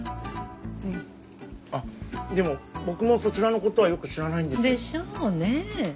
あっでも僕もそちらのことはよく知らないんです。でしょうねぇ。